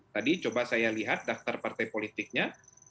tadi coba saya lihat daftar partai politiknya